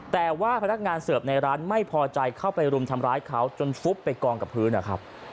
แต่ว่าพนักงานเสิร์ฟในร้านไม่พอใจเข้าไปรุมทำร้ายเขาจนฟุบไปกองกับพื้นนะครับ